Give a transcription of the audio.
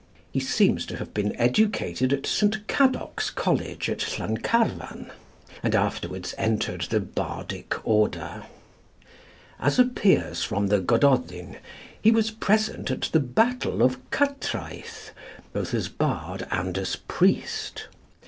He seems to have been educated at St. Cadoc's College at Llancarvan, and afterwards entered the bardic order. As appears from the 'Gododin,' he was present at the battle of Cattræth both as bard and as priest.